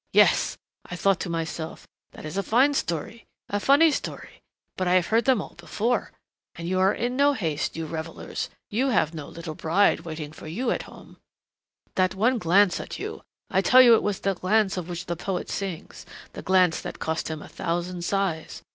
'Yes,' I thought to myself, 'that is a fine story, a funny story, but I have heard them all before. And you are in no haste, you revelers you have no little bride waiting for you at home.'... That one glance at you I tell you it was the glance of which the poet sings the glance that cost him a thousand sighs.